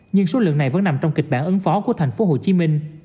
nhưng số lượng này vẫn nằm trong kịch bản ứng phó của tp hcm